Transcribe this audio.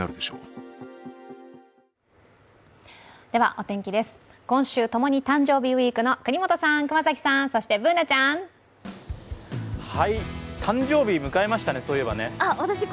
お天気です、今週ともに誕生日ウイークの國本さん、熊崎さん、そしてＢｏｏｎａちゃん。誕生日迎えましたね、そういえばね。